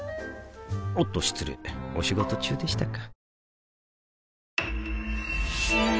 おっと失礼お仕事中でしたか